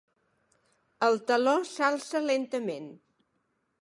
El teló s'alça lentament.